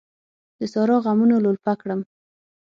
د سارا غمونو لولپه کړم.